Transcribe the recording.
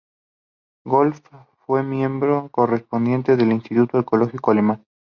Wolff fue miembro correspondiente del Instituto Arqueológico Alemán.